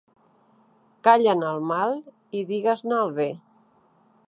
Calla'n el mal i digues-ne el bé.